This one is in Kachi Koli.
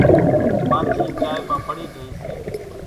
ماڇِي چائيَ مان پڙِي جھئِي سي۔